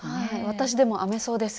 私でも編めそうです。